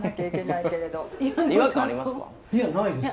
いやないです。